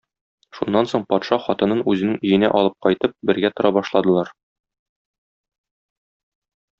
Шуннан соң патша хатынын үзенең өенә алып кайтып, бергә тора башладылар.